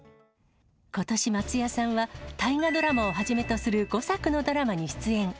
ことし、松也さんは大河ドラマをはじめとする５作のドラマに出演。